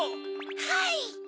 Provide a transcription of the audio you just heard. はい！